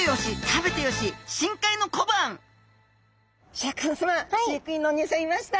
シャーク香音さま飼育員のおにいさんいました。